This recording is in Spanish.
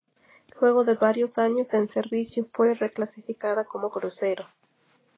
Luego de varios años en servicio fue reclasificada como crucero.